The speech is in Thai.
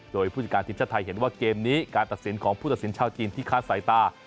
โดยผู้จัดการทีมชาติไทยเห็นว่าเกมนี้การตัดสินของผู้ตัดสินชาวจีนที่ค้าสายตา